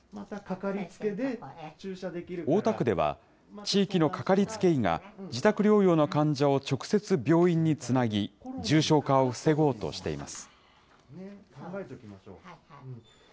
大田区では、地域のかかりつけ医が、自宅療養の患者を直接病院につなぎ、重症化を防ごうとしています。